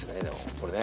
これね。